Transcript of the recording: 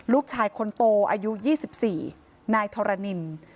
ลูกชายคนโตอายุยี่สิบสี่นายทรนิน